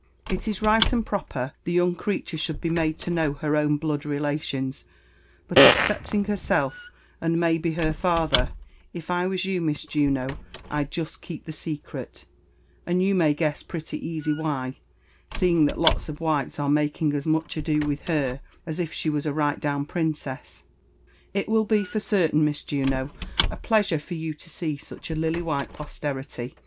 It is right and proper the young creature should l>e made, to know her own blood relations ; but excepting herself, and maybe her father, if I was you, Mis Juno, Pd jest Jceep the secret, and you may guess pretty easy why, seeing that^lots of whites are making as much ado with her as if she was a right down princess. It will be for certain, Mis Juno, a pleasure for you to see such a lily white posterity.